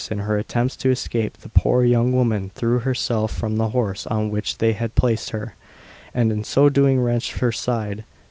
In her attempts to escape, the poor young woman threw herself from the horse on which they had placed her, and in so doing wrenched her side.